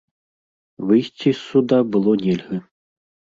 Выйсці з суда было нельга.